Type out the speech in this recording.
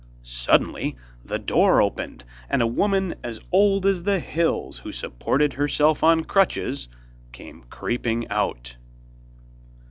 Suddenly the door opened, and a woman as old as the hills, who supported herself on crutches, came creeping out.